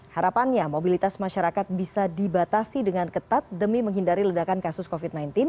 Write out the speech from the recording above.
harapannya mobilitas masyarakat bisa dibatasi dengan ketat demi menghindari ledakan kasus covid sembilan belas